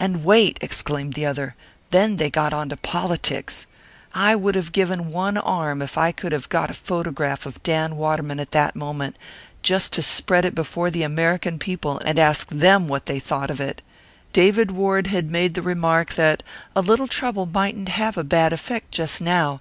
"And wait!" exclaimed the other; "then they got on to politics. I would have given one arm if I could have got a photograph of Dan Waterman at that moment just to spread it before the American people and ask them what they thought of it! David Ward had made the remark that 'A little trouble mightn't have a bad effect just now.'